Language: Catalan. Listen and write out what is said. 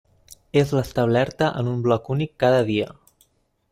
És l'establerta en un bloc únic cada dia.